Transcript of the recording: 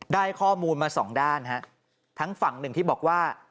ได้ข้อมูลมาสองด้านฮะทั้งฝั่งหนึ่งที่บอกว่า